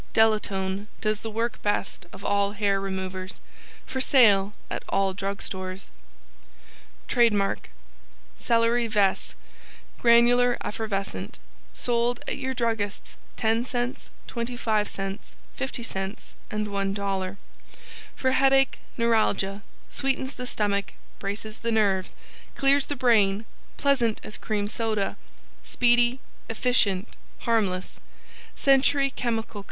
DELATONE does the work best of all hair removers. For sale at all Drug Stores. (TRADE MARK) CELERY VESCE GRANULAR EFFERVESCENT Sold at Your Druggists 10c, 25c 50c and $1.00 For Headache, Neuralgia, Sweetens the Stomach Braces the Nerves Clears the Brain Pleasant as Cream Soda SPEEDY, EFFICIENT HARMLESS Century Chemical Co.